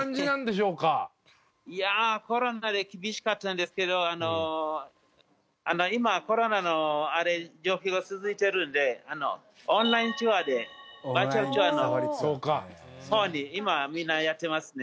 いやあコロナで厳しかったんですけど今コロナのあれ状況が続いてるんでオンラインツアーでバーチャルツアーの方に今みんなやってますね。